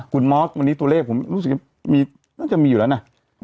คุณมอสวันนี้ตัวเลขผมรู้สึกน่าจะมีอยู่แล้วนะ